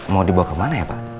mau dibawa kemana ya pak